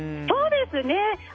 そうですね。